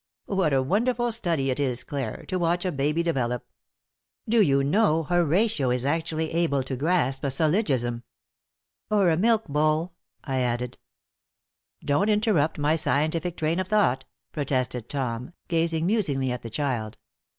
What a wonderful study it is, Clare, to watch a baby develop! Do you know, Horatio is actually able to grasp a syllogism!" "Or a milk bowl," I added. "Don't interrupt my scientific train of thought," protested Tom, gazing musingly at the child.